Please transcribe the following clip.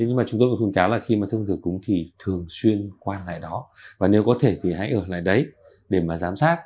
nói chung là khi mà thắp hương thì thường xuyên qua lại đó và nếu có thể thì hãy ở lại đấy để mà giám sát